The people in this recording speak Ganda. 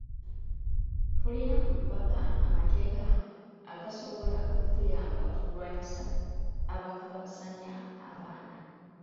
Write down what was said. Tulina okubaga amateeka agasobola okutuyamba okulwanyisa abakabasanya abaana.